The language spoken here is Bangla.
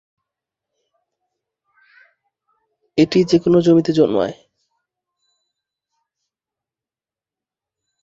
এটি যেকোন জমিতে জন্মায়।